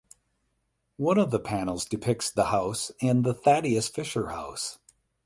One of the panels depicts the house and the Thaddeus Fisher House.